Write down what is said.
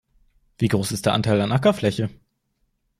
Wie groß ist der Anteil an Ackerfläche?